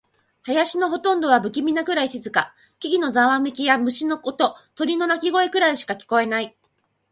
林のほとんどは不気味なくらい静か。木々のざわめきや、虫の音、鳥の鳴き声くらいしか聞こえない。